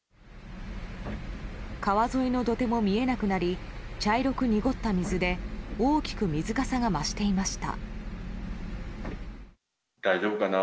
川沿いの土手も見えなくなり茶色く濁った水で大きく水かさが増していました。